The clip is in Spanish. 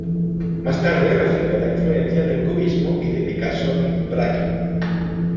Más tarde recibió la influencia del cubismo y de Picasso y Braque.